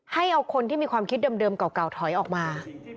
ให้เอาคนที่มีความคิดเดิมเก่าถอยออกมา